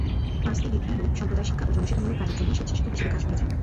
পারস্কি বিভিন্ন সম্প্রদায়, শিক্ষা ও জনসেবামূলক কাজের জন্য স্বেচ্ছাসেবক হিসেবে কাজ করেছেন।